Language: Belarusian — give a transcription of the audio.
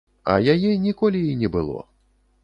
А яе ніколі і не было.